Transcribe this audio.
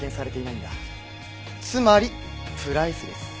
つまりプライスレス。